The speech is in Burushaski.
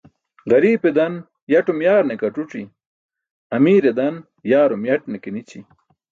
Ġariipe dan yaṭum yaarne ke ac̣uc̣i, amiire dan yaarum yaṭne ke nići